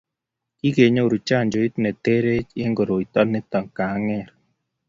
kikenyoru chanjoit ne ketrtech eng' koroito nito ne ang'er